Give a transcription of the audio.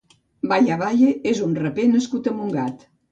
Baya Baye és un raper nascut a Montgat.